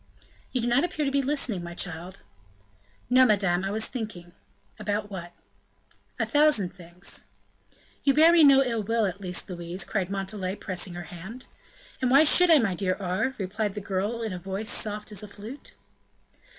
"You do not appear to be listening, my child." "No, madame, I was thinking." "About what?" "A thousand things." "You bear me no ill will, at least, Louise?" cried Montalais, pressing her hand. "And why should I, my dear Aure?" replied the girl in a voice soft as a flute.